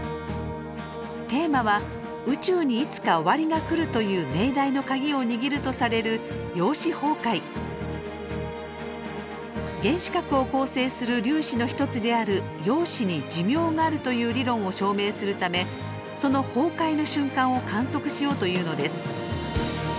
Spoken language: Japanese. テーマは「宇宙にいつか終わりが来る」という命題の鍵を握るとされる原子核を構成する粒子の一つである陽子に寿命があるという理論を証明するためその崩壊の瞬間を観測しようというのです。